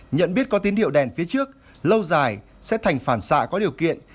nhận biết có tín hiệu đèn phía trước lâu dài sẽ thành phản xạ có điều kiện